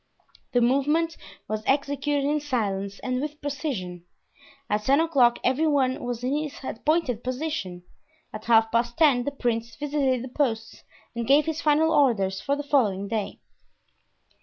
The movement was executed in silence and with precision. At ten o'clock every one was in his appointed position; at half past ten the prince visited the posts and gave his final orders for the following day.